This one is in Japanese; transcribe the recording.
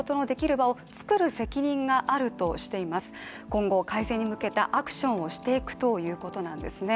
今後、改善に向けたアクションをしていくということなんですね。